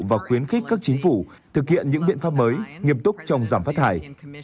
và khuyến khích các chính phủ thực hiện những biện pháp mới nghiêm túc trong giảm phát thải